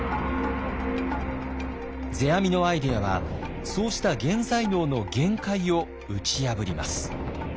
世阿弥のアイデアはそうした現在能の限界を打ち破ります。